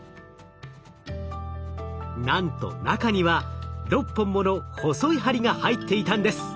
なんと中には６本もの細い針が入っていたんです。